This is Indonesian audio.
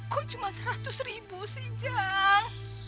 kau cuma seratus ribu sih ujang